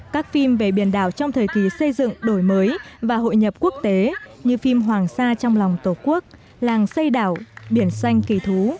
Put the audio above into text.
các phim về biển đảo trong thời kỳ xây dựng đổi mới và hội nhập quốc tế như phim hoàng sa trong lòng tổ quốc làng xây đảo biển xanh kỳ thú